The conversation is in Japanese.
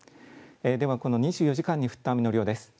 では、この２４時間に降った雨の量です。